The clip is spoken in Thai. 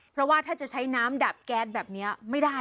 เพราะว่าถ้าจะใช้น้ำดับแก๊สแบบนี้ไม่ได้